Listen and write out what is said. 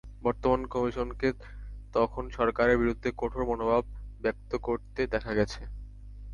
বর্তমান কমিশনকে তখন সরকারের বিরুদ্ধে কঠোর মনোভাব ব্যক্ত করতে দেখা গেছে।